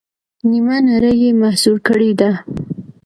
نیمه نړۍ یې مسحور کړې ده.